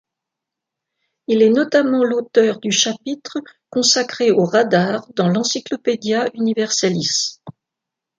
Il est notamment l'auteur du chapitre consacré au radar dans l'Encyclopædia Universalis.